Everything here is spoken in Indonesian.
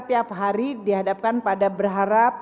tiap hari dihadapkan pada berharap